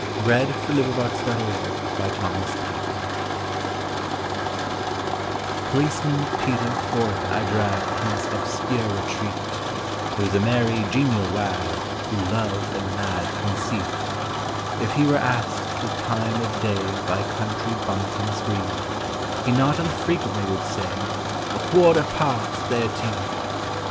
PETER THE WAG POLICEMAN PETER FORTH I drag From his obscure retreat: He was a merry, genial wag, Who loved a mad conceit. If he were asked the time of day By country bumpkins green, He not unfrequently would say, "A quarter past thirteen."